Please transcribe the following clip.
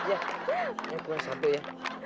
ini kue satu ya